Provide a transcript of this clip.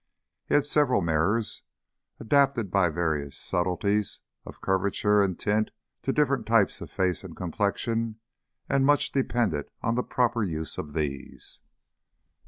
He had several mirrors, adapted by various subtleties of curvature and tint to different types of face and complexion, and much depended on the proper use of these.